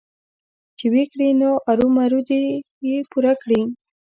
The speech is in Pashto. چې ويې کړي نو ارومرو دې يې پوره کړي.